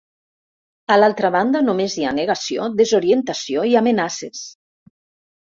A l’altra banda només hi ha negació, desorientació i amenaces.